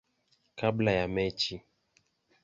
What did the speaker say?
kabla ya mechi.